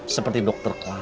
seperti dokter kelaran